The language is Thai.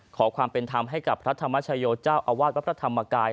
ขอความเป็นธรรมให้กับพระธรรมชโยเจ้าอาวาสวัดพระธรรมกาย